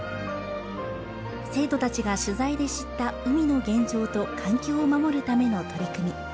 生徒たちが取材で知った海の現状と環境を守るための取り組み。